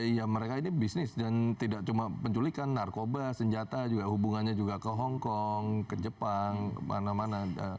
ya mereka ini bisnis dan tidak cuma penculikan narkoba senjata juga hubungannya juga ke hongkong ke jepang kemana mana